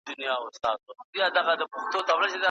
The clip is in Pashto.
که لمر نه وي نباتات نه شین کیږي.